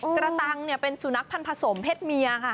กระตังเป็นสุนัขพันธ์ผสมเพศเมียค่ะ